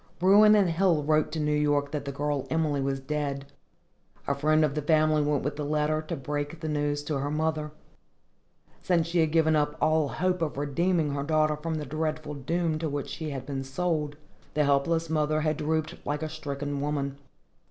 Bruin & Hill wrote to New York that the girl Emily was dead. A friend of the family went with the letter, to break the news to her mother. Since she had given up all hope of redeeming her daughter from the dreadful doom to which she had been sold, the helpless mother had drooped like a stricken woman.